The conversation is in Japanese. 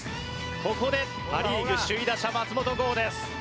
ここでパ・リーグ首位打者松本剛です。